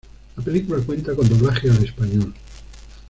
La película cuenta con doblaje al español.